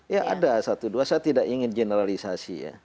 ya ada satu dua saya tidak ingin generalisasi ya